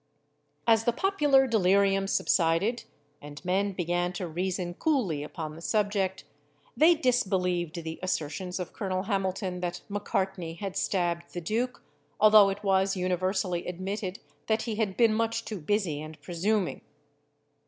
As the popular delirium subsided, and men began to reason coolly upon the subject, they disbelieved the assertions of Colonel Hamilton that Macartney had stabbed the duke, although it was universally admitted that he had been much too busy and presuming.